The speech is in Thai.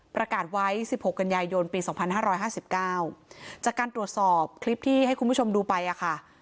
ประกาศไว้สิบหกกันยายนปีสองพันห้าร้อยห้าสิบเก้าจากการตรวจสอบคลิปที่ให้คุณผู้ชมดูไปอ่ะค่ะ